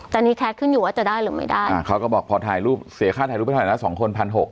ตอนนี้แคสขึ้นอยู่ว่าจะได้หรือไม่ได้อ่าเขาก็บอกพอถ่ายรูปเสียค่าถ่ายรูปให้ถ่ายละสองคนพันหก